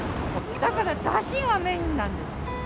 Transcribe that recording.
だからだしがメインなんです。